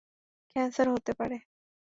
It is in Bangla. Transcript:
ক্যান্সার হতে পারে।